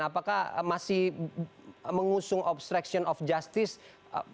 apakah masih mengusung obstruction of justice